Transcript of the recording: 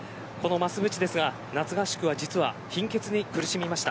増渕ですが、夏合宿は貧血に苦しみました。